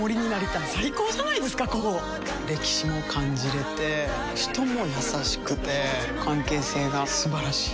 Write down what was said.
歴史も感じれて人も優しくて関係性が素晴らしい。